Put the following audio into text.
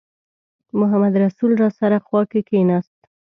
محمدرسول راسره خوا کې کېناست.